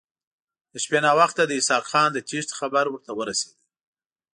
د شپې ناوخته د اسحق خان د تېښتې خبر ورته ورسېد.